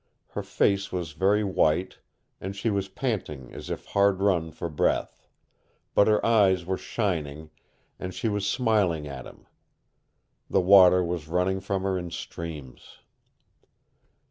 Her face was very white, and she was panting as if hard run for breath, but her eyes were shining, and she was smiling at him. The water was running from her in streams.